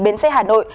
bến xe hà nội